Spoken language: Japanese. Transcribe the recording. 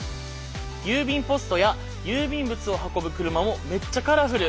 郵便ポストや郵便物を運ぶ車もめっちゃカラフル！